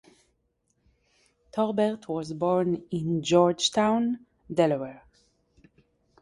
Torbert was born in Georgetown, Delaware.